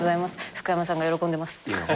福山さんが喜んでます。